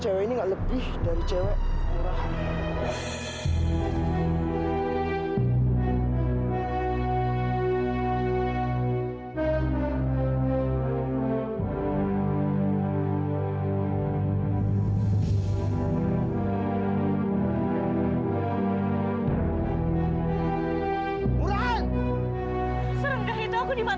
coz kita harus mengolok olok bawah di bawah